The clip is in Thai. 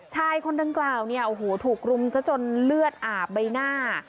ชายคนดังกล่าวถูกรุมซะจนเลือดอาบใบหน้า